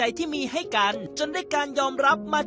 การที่บูชาเทพสามองค์มันทำให้ร้านประสบความสำเร็จ